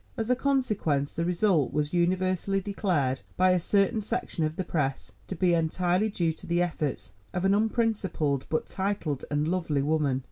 As a consequence the result was universally declared by a certain section of the press to be entirely due to the efforts of an unprincipled but titled and lovely woman.